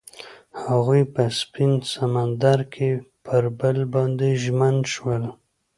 هغوی په سپین سمندر کې پر بل باندې ژمن شول.